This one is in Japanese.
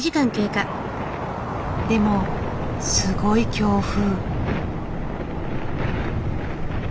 でもすごい強風。